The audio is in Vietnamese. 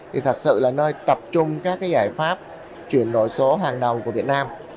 thì thật sự là nơi tập trung các giải pháp chuyển đổi số hàng đầu của việt nam